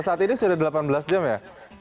saat ini sudah delapan belas jam ya